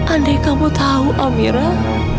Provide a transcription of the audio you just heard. andai kamu tahu amirah